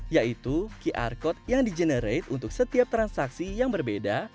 yaitu qr code yang di generate untuk setiap transaksi yang berbeda